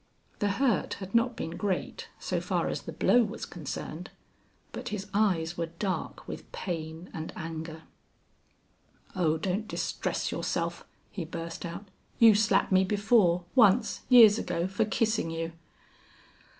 The hurt had not been great, so far as the blow was concerned. But his eyes were dark with pain and anger. "Oh, don't distress yourself," he burst out. "You slapped me before once, years ago for kissing you.